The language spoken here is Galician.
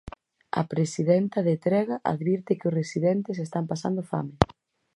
A presidenta de Trega advirte que os residentes están pasando fame.